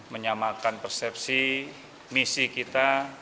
menyamakan persepsi misi kita